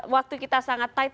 waktu kita sangat tight